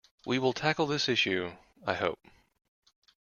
We will tackle this issue, I hope.